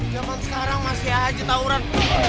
zaman sekarang masih haji tauran